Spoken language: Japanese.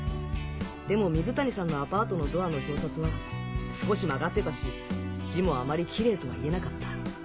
でも水谷さんのアパートのドアの表札は少し曲がってたし字もあまりきれいとはいえなかった。